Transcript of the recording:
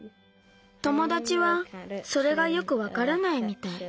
ともだちはそれがよくわからないみたい。